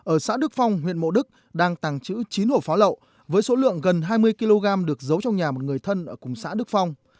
ở xã đức phong huyện mộ đức đang tàng trữ chín hộp pháo lậu với số lượng gần hai mươi kg được giấu trong nhà một người thân ở cùng xã đức phong